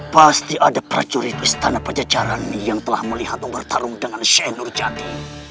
pasti ada prajurit istana pejajaran ini yang telah melihatmu bertarung dengan syainur jati